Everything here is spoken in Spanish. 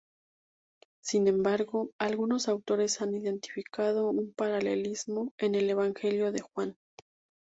Sin embargo, algunos autores han identificado un paralelismo en el Evangelio de Juan.